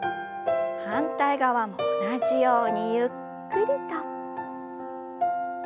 反対側も同じようにゆっくりと。